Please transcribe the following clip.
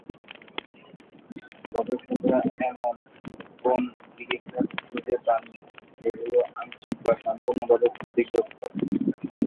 গবেষকরা এমন কোন গিরিখাত খুঁজে পাননি যেগুলো আংশিক বা সম্পূর্ণভাবে ক্ষতিগ্রস্ত।